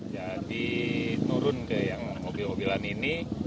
jadi turun ke mobil mobilan ini